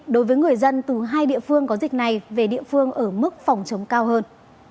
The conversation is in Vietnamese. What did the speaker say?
đối với người dân từ hai địa phương có dịch này về địa phương ở mức phòng chống cao hơn